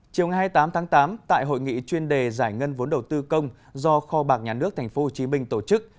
chiều hai mươi tám tháng tám tại hội nghị chuyên đề giải ngân vốn đầu tư công do kho bạc nhà nước tp hcm tổ chức